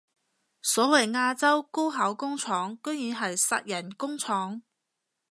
所謂亞洲高考工廠居然係殺人工廠